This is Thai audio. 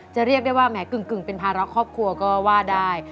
เรียกได้ว่าแหมกึ่งเป็นภาระครอบครัวก็ว่าได้